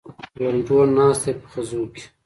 لنډو ناست دی په خزو کې.